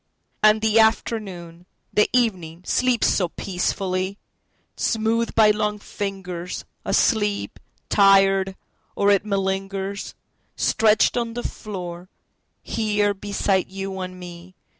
……..And the afternoon, the evening, sleeps so peacefully! Smoothed by long fingers, Asleep … tired … or it malingers, Stretched on the floor, here beside you and me.